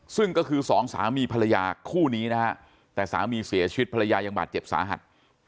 ซึ่งก็คือสองสามีภรรยาคู่นี้นะฮะแต่สามีเสียชีวิตภรรยายังบาดเจ็บสาหัส